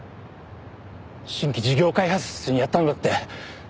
新規事業開発室にやったのだって